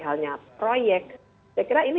halnya proyek saya kira ini